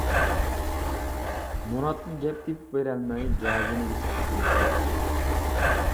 مۇراتمۇ گەپ تېپىپ بېرەلمەي گەدىنىگىچە قىزىرىپ كەتتى.